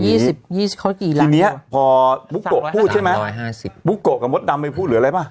๒๐เขาอีกกี่ละครับพบที่นี้พอบุ๊โกะพูดใช่ไหม๓๕๐๐บุ๊โกะกับมดดำไปพูดหรืออะไรปะ